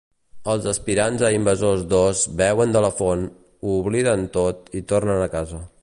Els aspirants a invasors d'Oz beuen de la font, ho obliden tot i tornen a casa.